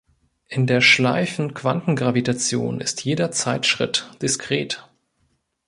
In der Schleifenquantengravitation ist jeder Zeitschritt diskret.